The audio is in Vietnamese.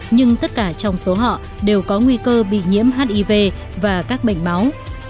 nhưng tất cả trong số họ đều có nguy cơ bị nhiễm hiv và các bệnh máu